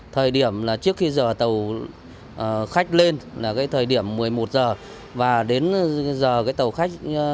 thời điểm là trước khi giờ tàu khách lên là thời điểm một mươi một h và đến giờ tàu khách